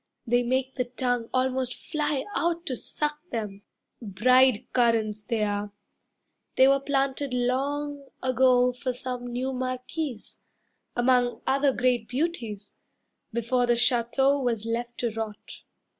"They make the tongue Almost fly out to suck them, bride Currants they are, they were planted long Ago for some new Marquise, among Other great beauties, before the Chateau Was left to rot.